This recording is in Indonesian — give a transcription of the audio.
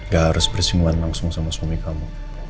gak harus bersinggungan langsung sama suami kamu